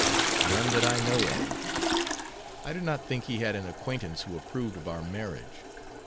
"None that I know of. I do not think he had an acquaintance who approved of our marriage.